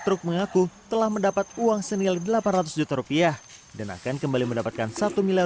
truk mengaku telah mendapat uang senilai delapan ratus juta rupiah dan akan kembali mendapatkan satu miliar